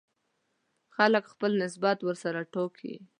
خلک خپل نسبت ورسره وټاکي.